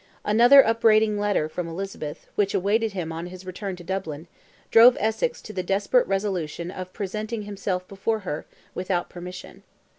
Another upbraiding letter from Elizabeth, which awaited him on his return to Dublin, drove Essex to the desperate resolution of presenting himself before her, without permission.